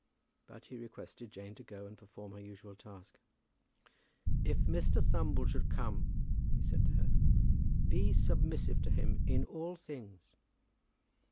But he requested Jane to go and perform her usual task. "If Mr. Thumble should come," he said to her, "be submissive to him in all things."